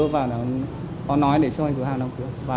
và đã có nói để cho thành phố hà nội